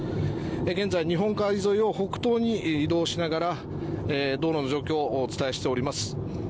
現在、日本海沿いを北東に移動しながら道路の状況をお伝えしております。